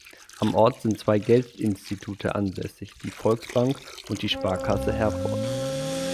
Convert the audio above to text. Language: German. Am Ort sind zwei Geldinstitute ansässig: die Volksbank und die Sparkasse Herford.